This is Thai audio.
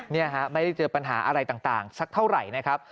เนี่ยฮะไม่ได้เจอปัญหาอะไรต่างสักเท่าไหร่นะครับ